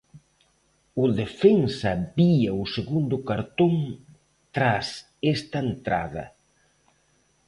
O defensa vía o segundo cartón tras esta entrada.